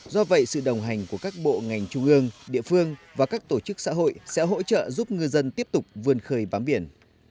do vậy sự đồng hành của các bộ ngành trung ương địa phương và các tổ chức xã hội sẽ hỗ trợ giúp ngư dân tiếp tục vươn khơi bám biển